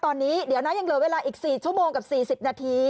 ตอนนี้เดี๋ยวนะยังเหลือเวลาอีก๔ชั่วโมงกับ๔๐นาที